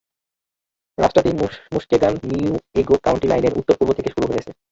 রাস্তাটি Muskegon Newaygo County লাইনের উত্তর-পূর্ব থেকে শুরু হয়েছে।